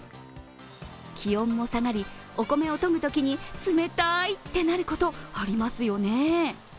気温も下がり、お米をとぐときに冷たいってなることありますよね。